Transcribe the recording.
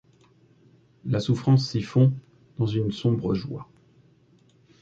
La souffrance s’y fond dans une sombre joie.